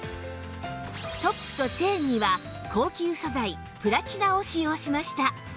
トップとチェーンには高級素材プラチナを使用しました